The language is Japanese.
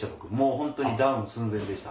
本当にダウン寸前でした。